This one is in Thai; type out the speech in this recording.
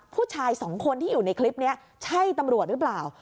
ผู้ชายสองคนที่อยู่ในคลิปนี้ใช่ตำรวจหรือเปล่า